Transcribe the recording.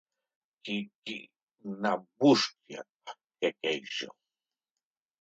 Qui-qui-na bústia? —quequejo.